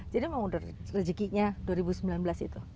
jadi memang rezekinya dua ribu sembilan belas itu